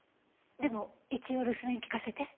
でも一応留守電聴かせて。